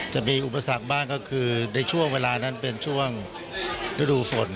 จะมีอุปสรรคบ้างก็คือในช่วงเวลานั้นเป็นช่วงฤดูฝน